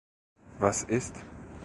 Was ist?